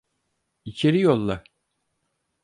İçeri yolla.